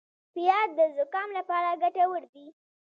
پیاز د زکام لپاره ګټور دي